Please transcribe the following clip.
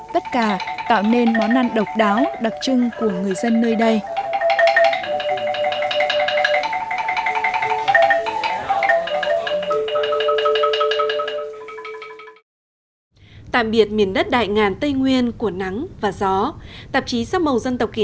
tất cả tạo nên món ăn độc đáo đặc trưng của người dân nơi đây